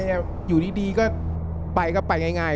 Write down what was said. รายการต่อไปนี้เป็นรายการทั่วไปสามารถรับชมได้ทุกวัย